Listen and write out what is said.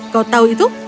kau tahu itu